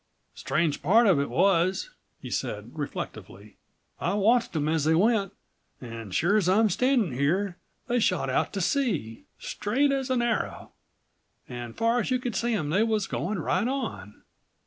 Strange part of it was," he said reflectively, "I watched 'em as they went and sure's I'm standin' here they shot out to sea, straight as an arrow, and far as you could see 'em they was going right on.